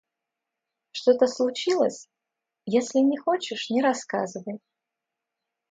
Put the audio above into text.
Что-то случилось? Если не хочешь, не рассказывай.